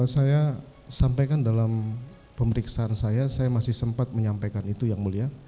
saya sampaikan dalam pemeriksaan saya saya masih sempat menyampaikan itu yang mulia